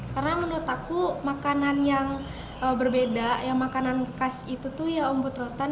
karena menurut aku makanan yang berbeda makanan khas itu umbut rotan